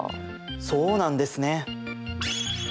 そうなんですね。